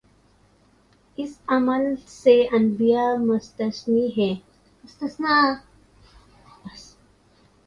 اس عمل سے انبیا مستثنی ہیں۔